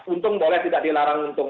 untung boleh tidak dilarang untung